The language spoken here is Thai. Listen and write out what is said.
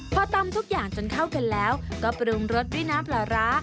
พอตำทุกอย่างจนเข้ากันแล้วก็ปรุงรสด้วยน้ำปลาร้า